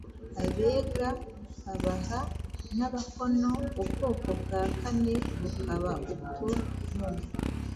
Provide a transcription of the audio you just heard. Abega, Abaha n'Abakono - ubwoko bwa kane bukaba ubwo mu